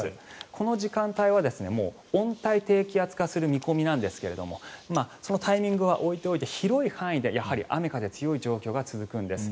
この時間帯は温帯低気圧化する見込みなんですがそのタイミングは置いておいて広い範囲でやはり雨、風が強い状況が続くんです。